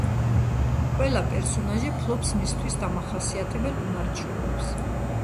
ყველა პერსონაჟი ფლობს მისთვის დამახასიათებელ უნარ-ჩვევებს.